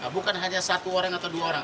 bukan hanya satu orang atau dua orang